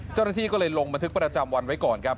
เจ้าหน้าที่ก็เลยลงบันทึกประจำวันไว้ก่อนครับ